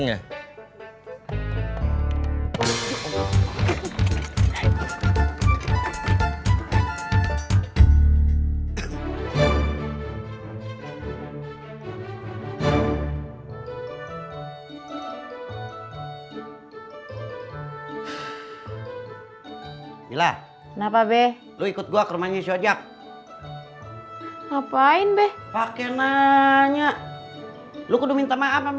gila kenapa be lu ikut gua ke rumahnya siojak ngapain beh pake nanya lu udah minta maaf sama